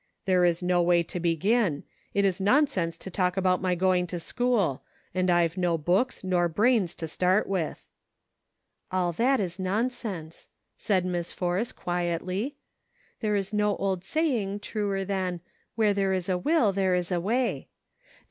" There is no way to begin ; it is nonsense to talk about my going to school ; and I've no books, nor brains, to start with." "All that is nonsense," said Miss Force, quietly; " there is no old saying truer than * Where there is a will, there is a way.'